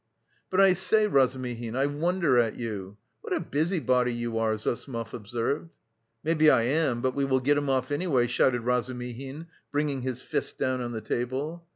"But I say, Razumihin, I wonder at you. What a busybody you are!" Zossimov observed. "Maybe I am, but we will get him off anyway," shouted Razumihin, bringing his fist down on the table.